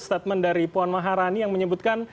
statement dari puan maharani yang menyebutkan